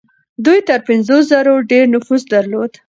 دوی تر پنځو زرو ډېر نفوس درلود.